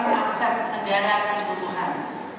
maksat negara keseputuhan